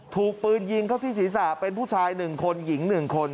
ถูกปืนยิงเข้าที่ศรีษะเป็นผู้ชายหนึ่งคนหญิงหนึ่งคน